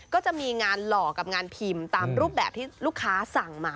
ก็จะมีงานหล่อกับงานพิมพ์ตามรูปแบบที่ลูกค้าสั่งมา